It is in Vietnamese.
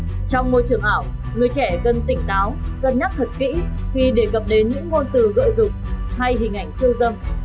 khi được thăng chức chẳng hạn người trẻ cần tỉnh đáo cân nhắc thật kỹ khi đề cập đến những ngôn từ gợi dục hay hình ảnh thư dâm